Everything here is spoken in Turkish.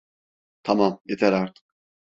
Tamam, yeter artık!